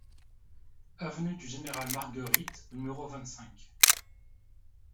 Avenue du Général Margueritte au numéro vingt-cinq